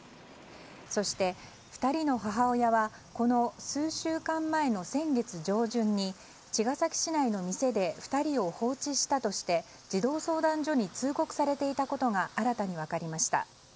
そして、２人の母親はこの数週間前の先月上旬に茅ヶ崎市内の店で２人を放置したとして児童相談所に通告されていたことが新たに分かりました。